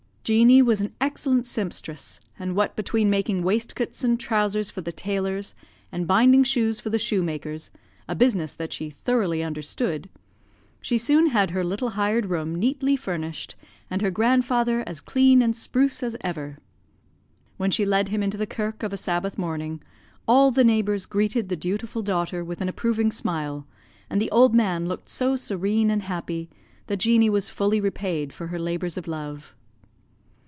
"Jeannie was an excellent sempstress, and what between making waistcoats and trousers for the tailors and binding shoes for the shoemakers, a business that she thoroughly understood, she soon had her little hired room neatly furnished, and her grandfather as clean and spruce as ever. When she led him into the kirk of a Sabbath morning, all the neighbours greeted the dutiful daughter with an approving smile, and the old man looked so serene and happy that Jeanie was fully repaid for her labours of love.